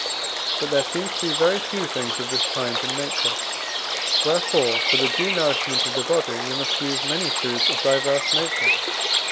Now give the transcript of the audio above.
But there seem to be very few things of this kind in nature; wherefore for the due nourishment of the body we must use many foods of diverse nature.